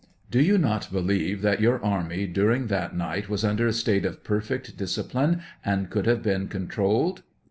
Do you not believe that your army daring that night was under a state of perfect discipline and could have been controlled